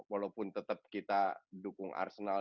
walaupun tetap kita dukung arsenal